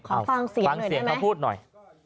ฟังเสียงหน่อยไหมฟังเสียงเขาพูดหน่อย